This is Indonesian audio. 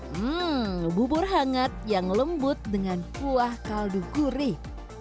hmm bubur hangat yang lembut dengan kuah kaldu gurih